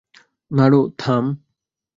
নারু, থাম!